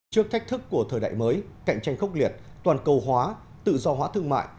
trước thách thức của thời đại mới cạnh tranh khốc liệt toàn cầu hóa tự do hóa thương mại